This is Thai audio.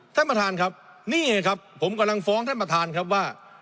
ท่านประธานครับนี่ไงครับผมกำลังฟ้องท่านประธานครับว่า